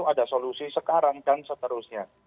ada solusi sekarang dan seterusnya